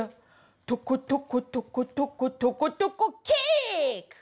「とことことことことことこキック！」